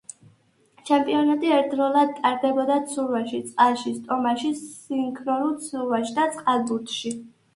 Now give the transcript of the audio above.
ჩემპიონატი ერთდროულად ტარდებოდა ცურვაში, წყალში ხტომაში, სინქრონულ ცურვაში და წყალბურთში.